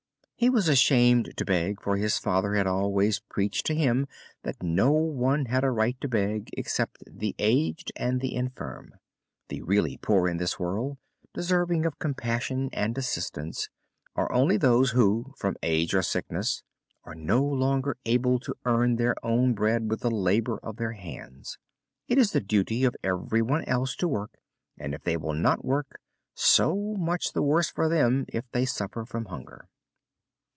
He was ashamed to beg, for his father had always preached to him that no one had a right to beg except the aged and the infirm. The really poor in this world, deserving of compassion and assistance, are only those who from age or sickness are no longer able to earn their own bread with the labor of their hands. It is the duty of every one else to work; and if they will not work, so much the worse for them if they suffer from hunger.